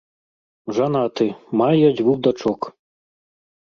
Жанаты, мае дзвюх дачок.